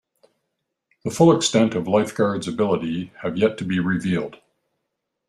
The full extent of Lifeguard's abilities have yet to be revealed.